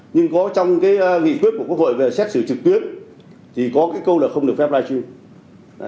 nhưng có trong cái nghị quyết của quốc hội về xét xử trực tuyến thì có cái câu là không được phép live stream